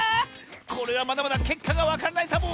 これはまだまだけっかがわからないサボ！